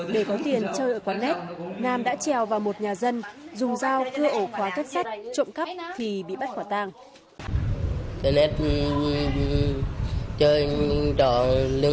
để có tiền chơi ở quán nét nam đã trèo vào một nhà dân dùng dao thưa ổ khóa các sách trộm cắp thì bị bắt khỏa tàng